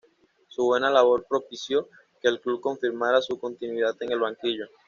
Su buena labor propició que el club confirmara su continuidad en el banquillo.